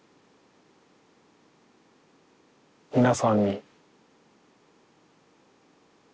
皆さんに。